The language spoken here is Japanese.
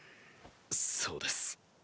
そうです。